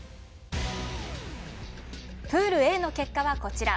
プールＡの結果はこちら。